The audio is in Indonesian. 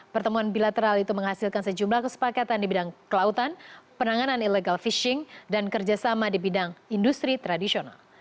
pertemuan bilateral itu menghasilkan sejumlah kesepakatan di bidang kelautan penanganan illegal fishing dan kerjasama di bidang industri tradisional